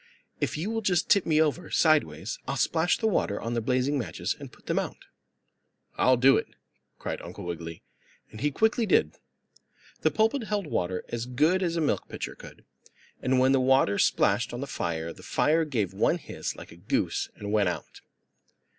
"If you will just tip me over, sideways, I'll splash the water on the blazing matches and put them out." "I'll do it!" cried Uncle Wiggily, and he quickly did. The pulpit held water as good as a milk pitcher could, and when the water splashed on the fire that fire gave one hiss, like a goose, and went out.